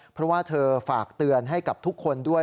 เพราะว่าเธอฝากเตือนให้กับทุกคนด้วย